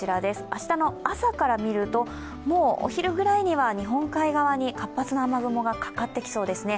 明日の朝から見るともうお昼ぐらいには日本海側に活発な雨雲がかかってきそうです。